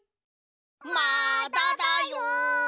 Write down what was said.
まだだよ！